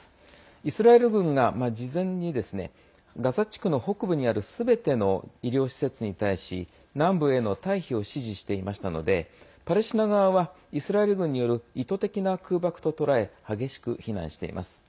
イスラエル軍が事前にガザ地区の北部にあるすべての医療施設に対し南部への退避を指示していましたのでパレスチナ側はイスラエル軍による意図的な空爆と捉え激しく非難しています。